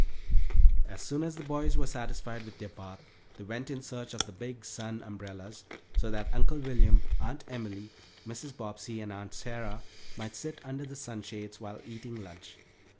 As soon as the boys were satisfied with their bath they went in search of the big sun umbrellas, so that Uncle William, Aunt Emily, Mrs. Bobbsey, and Aunt Sarah might sit under the sunshades, while eating lunch.